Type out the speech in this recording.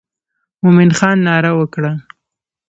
مومن خان ناره وکړه.